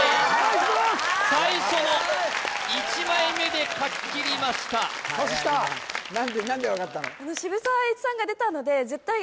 最初の１枚目で書ききりました阻止した何で分かったの？